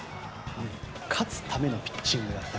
勝つためのピッチングだった。